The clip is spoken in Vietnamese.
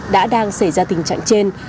đã đang xảy ra tình trạng trên